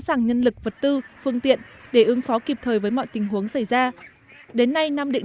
sẵn sàng nhân lực vật tư phương tiện để ứng phó kịp thời với mọi tình huống xảy ra đến nay nam định